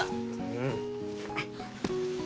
うん。